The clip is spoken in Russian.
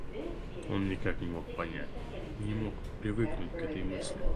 Он никак не мог понять, не мог привыкнуть к этой мысли.